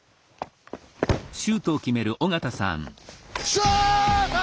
シュート！